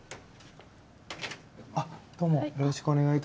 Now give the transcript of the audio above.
あっどうもよろしくお願いいたします。